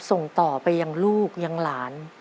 ส่งต่อไปยังลูกยังหลาน